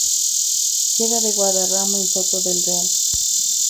Sierra de Guadarrama, en Soto del Real.